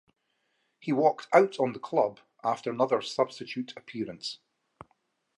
He walked out on the club after another substitute appearance.